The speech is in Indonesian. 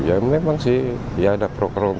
ya memang sih ya ada program